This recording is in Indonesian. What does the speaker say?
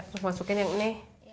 terus masukin yang ini